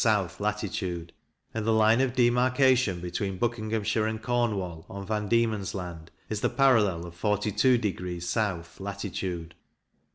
south latitude; and the line of demarkation between Buckinghamshire and Cornwall, on Van Diemen's Land, is the parallel of 42. south latitude.